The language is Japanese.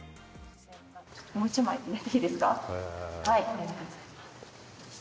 もう１枚、よろしいですか？